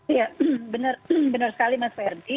iya benar sekali mas ferdi